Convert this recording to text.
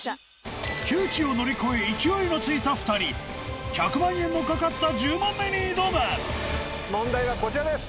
窮地を乗り越え勢いのついた２人１００万円の懸かった１０問目に挑む問題はこちらです。